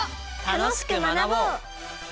「楽しく学ぼう！」。